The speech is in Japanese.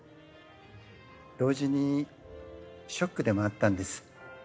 同時にショックでもあったんです。